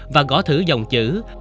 và gõ thử dòng chữ